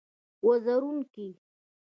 وزرونو کې